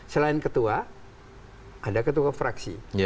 selain ketua ada ketua fraksi